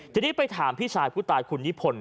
ทีนี้ไปถามพี่ชายผู้ตายคุณนิพนธ